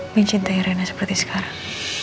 mencintai rina seperti sekarang